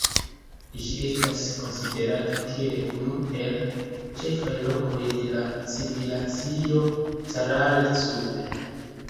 Ĝi estas konsiderata kiel unu el ĉefaj lokoj de la Civilizacio Caral-Supe.